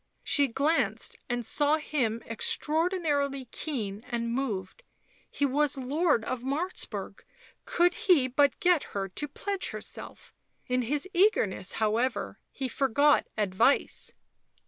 She glanced and saw him extraordinarily keen and moved; he was lord of Martzburg could he but get her to pledge herself; in his eagerness, however, he forgot advice.